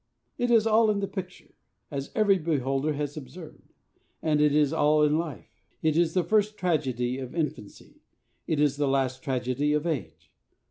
It is all in the picture, as every beholder has observed; and it is all in life. It is the first tragedy of infancy; it is the last tragedy of age.